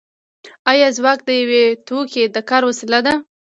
آیا ځواک د یو توکي د کار وسیله ده